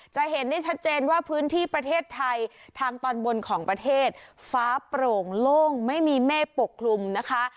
จะเห็นได้ชัดเจนว่าพื้นที่ประเทศไทยทางตอนบนของประเทศฟ้าโปร่งโล่งไม่มีเมฆปกคลุมนะคะ